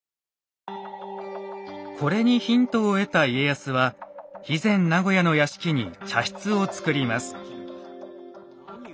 これにヒントを得た家康は肥前名護屋の屋敷に茶室をつくります。